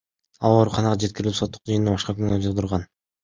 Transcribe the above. Ал ооруканага жеткирилип, соттук жыйын башка күнгө жылдырылган.